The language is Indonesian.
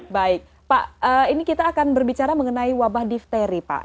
baik pak ini kita akan berbicara mengenai wabah difteri pak